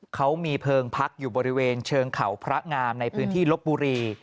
เขามีเพลิงพักอยู่บริเวณเชิงเขาพระงามในพื้นที่ลบบุรี